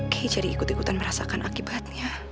kay jadi ikut ikutan merasakan akibatnya